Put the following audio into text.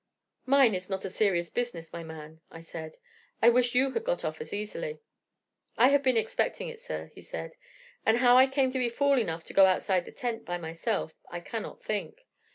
"'Mine is not a serious business, my man,' I said. 'I wish you had got off as easily.' "'I have been expecting it, sir,' he said; 'and how I came to be fool enough to go outside the tent by myself I cannot think.